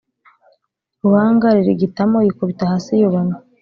ruhanga ririgitamo yikubita hasi yubamye